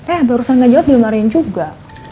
eh ada urusan ngejawab dimarahin juga